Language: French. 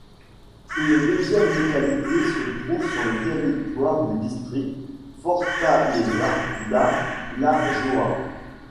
Une deuxième localité se trouve sur le territoire du district, Fortaleza da Lagoa.